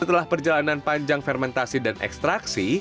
setelah perjalanan panjang fermentasi dan ekstraksi